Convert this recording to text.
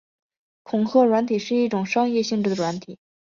恐吓软体是一种商业性质的软体。